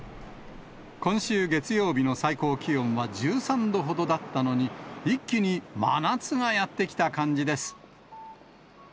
今週月曜日の最高気温は１３度ほどだったのに、一気に真夏がやって来た感じです。